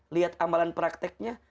lihat amalan praktiknya